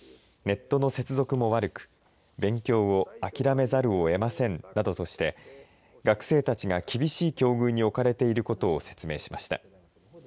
ネットの接続も悪く勉強を諦めざるをえませんなどとして学生たちが厳しい境遇に置かれていることを説明しました。